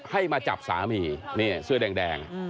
ให้มาจับสามีนี่เสื้อแดง